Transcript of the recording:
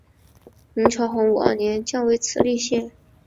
明朝洪武二年降为慈利县。